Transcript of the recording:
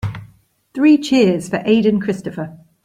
Three cheers for Aden Christopher.